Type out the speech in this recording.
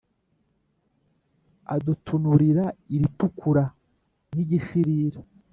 Adutunurira iritukura nk'igishirira